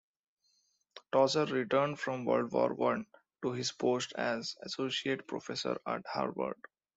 Tozzer returned from World War One to his post as associate professor at Harvard.